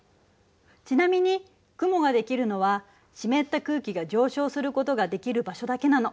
ちなみに雲ができるのは湿った空気が上昇することができる場所だけなの。